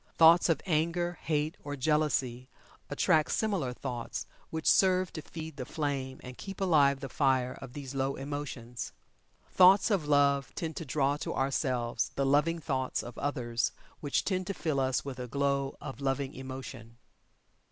Thoughts of Anger, Hate, or Jealousy attract similar thoughts which serve to feed the flame and keep alive the fire of these low emotions. Thoughts of Love tend to draw to ourselves the loving thoughts of others which tend to fill us with a glow of loving emotion.